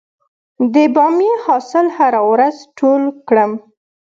د بامیې حاصل هره ورځ ټول کړم؟